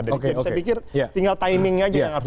jadi saya pikir tinggal timingnya aja yang harus dimaksud